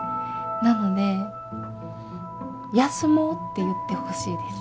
なので「休もう」って言ってほしいです。